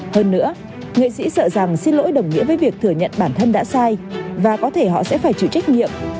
hơn nữa nghệ sĩ sợ rằng xin lỗi đồng nghĩa với việc thừa nhận bản thân đã sai và có thể họ sẽ phải chịu trách nhiệm